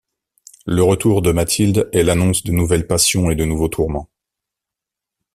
Le retour de Mathilde est l'annonce de nouvelles passions et de nouveaux tourments.